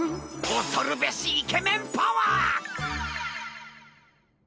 恐るべしイケメンパワー！